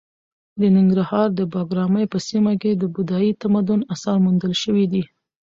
د ننګرهار د بګراميو په سیمه کې د بودايي تمدن اثار موندل شوي دي.